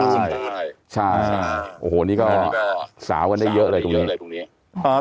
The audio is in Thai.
อาจงั้นสาวกันได้เยอะเลยแล้ว